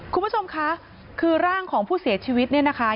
คุณผู้ชมคะคือร่างของผู้เสียชีวิตเนี่ยนะคะ